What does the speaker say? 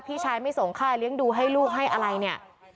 พี่ชายไม่ส่งค่าเลี้ยงดูให้ลูกให้อะไรเนี่ย